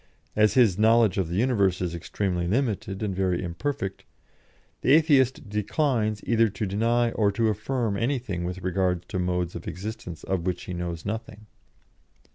As his knowledge of the universe is extremely limited and very imperfect, the Atheist declines either to deny or to affirm anything with regard to modes of existence of which he knows nothing.